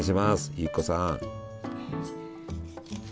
由紀子さん。